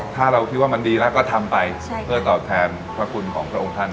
ถ้าเราคิดว่ามันดีแล้วก็ทำไปเพื่อตอบแทนพระคุณของพระองค์ท่าน